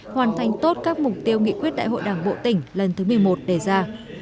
hoàn thành tốt các mục tiêu nghị quyết đại hội đảng bộ tỉnh lần thứ một mươi một đề ra